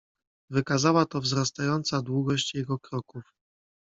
"Wykazała to wzrastająca długość jego kroków."